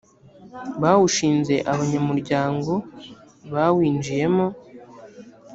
bawushinze abanyamuryango bawinjiyemo